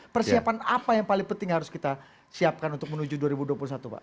persiapan apa yang paling penting harus kita siapkan untuk menuju dua ribu dua puluh satu pak